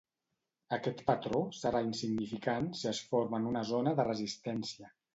Aquest patró serà insignificant si es forma en una zona de resistència.